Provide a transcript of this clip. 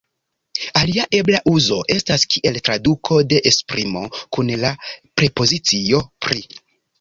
Alia ebla uzo estas kiel traduko de esprimo kun la prepozicio "pri".